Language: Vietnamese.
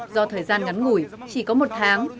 do thời gian ngắn ngủi chỉ có một tháng